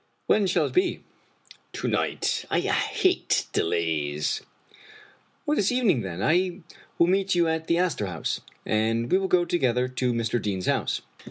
When shall it be? "" To night. I hate delays." " This evening, then, I will meet you at the Astor House, and we will go together to Mr. Deane's house."